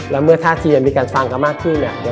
แล้วเมื่อท่าทีมันมีการฟังกันมากขึ้นเนี่ย